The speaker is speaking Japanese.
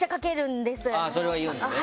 それは言うのね。